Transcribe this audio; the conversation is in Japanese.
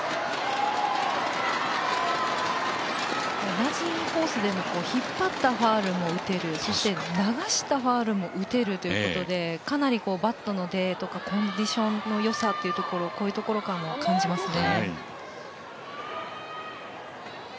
同じインコースでも引っ張ったファウルも打てるそして、流したファウルも打てるということで、かなりバットの出とかコンディションのよさはこういうところからも感じますね。